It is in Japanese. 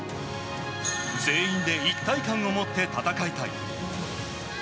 全員で一体感を持って戦いたい。